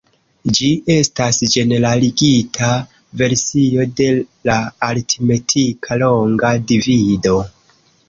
Ĝi estas ĝeneraligita versio de la aritmetika longa divido.